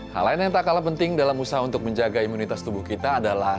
hal lain yang tak kalah penting dalam usaha untuk menjaga imunitas tubuh kita adalah